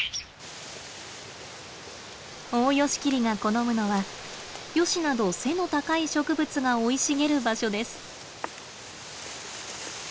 オオヨシキリが好むのはヨシなど背の高い植物が生い茂る場所です。